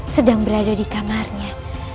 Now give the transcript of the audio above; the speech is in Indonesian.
sedang berada di kamarnya